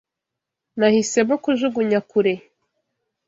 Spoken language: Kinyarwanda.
Nahisemo kujugunya kure.